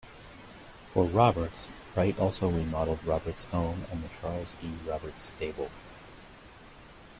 For Roberts, Wright also remodeled Roberts' home and the Charles E. Roberts Stable.